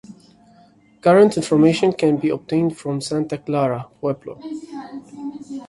Current information can be obtained from Santa Clara Pueblo.